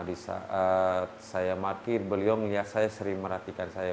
di saat saya mati beliau melihat saya sering merhatikan saya